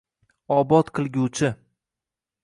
Obod qilguvchi.